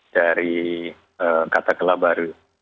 dari kata kelabar